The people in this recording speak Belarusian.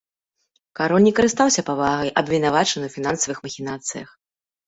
Кароль не карыстаўся павагай, абвінавачаны ў фінансавых махінацыях.